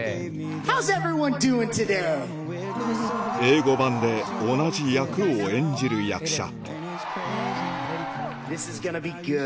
英語版で同じ役を演じる役者